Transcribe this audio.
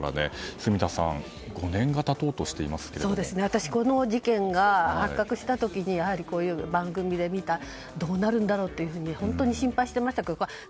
住田さん、５年が私、この事件が発覚した時こういう番組で見てどうなるんだろうと本当に心配していました。